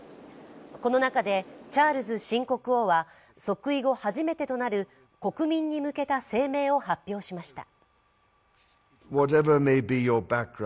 この中でチャールズ新国王は即位後初めてとなる国民に向けた声明を発表しました。